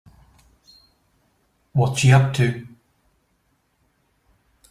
What's she up to?